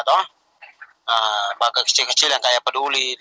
lembaga kecil kecil yang kayak peduli